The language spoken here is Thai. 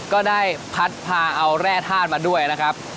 ก็ได้พัดพาเอาแร่ธาตุมาด้วยนะครับ